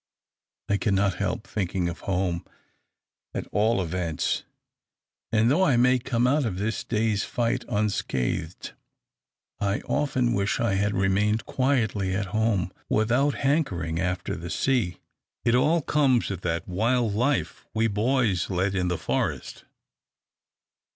"I cannot help thinking of home at all events, and though I may come out of this day's fight unscathed, I often wish I had remained quietly at home, without hankering after the sea. It all comes of that wild life we boys led in the forest.